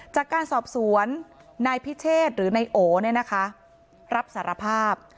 จากการสอบสวนนายพิเชษหรือนายโอ๋รับสารภาพ